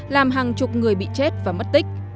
làm hàng chục người bị chết và mất tích